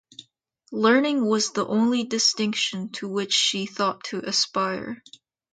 Learning was the only distinction to which she thought to aspire.